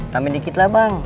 tambah dikit lah bang